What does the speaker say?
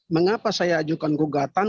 mengapa saya ajukan gugatan